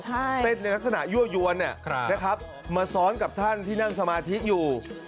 เต้นในลักษณะยั่วยวนมาซ้อนกับท่านที่นั่งสมาธิอยู่